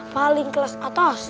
paling kelas atas